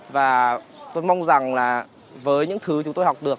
và tôi mong rằng là với những thứ chúng tôi học được